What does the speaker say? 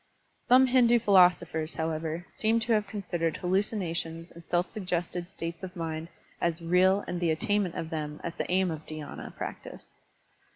Some Hindu philosophers, however, seem to have considered hallucinations and self suggested states of mind as real and the attaimnent of them as the aim of dhySna practice.